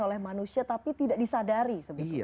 oleh manusia tapi tidak disadari sebetulnya